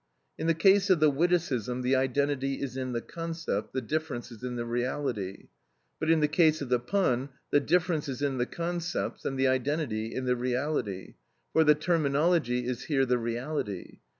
In the case of the witticism the identity is in the concept, the difference in the reality, but in the case of the pun the difference is in the concepts and the identity in the reality, for the terminology is here the reality.